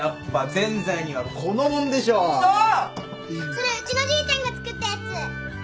それうちのじいちゃんが作ったやつ。